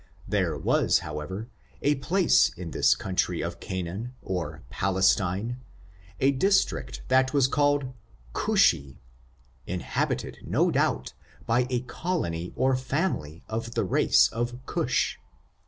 There was, however, a place in this country of Ca naan, or Palestine, a district that was called Ckusi, inhabited no doubt by a colony or family of the race of Cush.